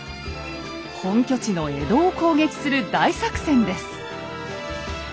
本拠地の江戸を攻撃する大作戦です。